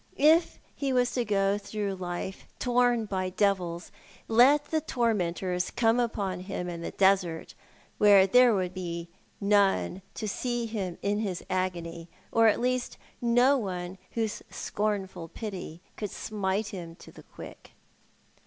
If he was to go through life torn by devils, let the tormentors come upon him in the desert, where there would be none to see him in his agony, or at least no one whose scornful pity could smite him to the quick.